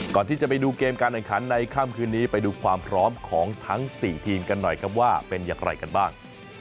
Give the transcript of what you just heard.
ก่อนที่จะไปดูเกมการแข่งขันในค่ำคืนนี้ไปดูความพร้อมของทั้ง๔ทีมกันหน่อยครับว่าเป็นอย่างไรกันบ้าง